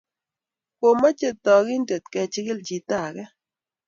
komeche tokinte kechikil chito age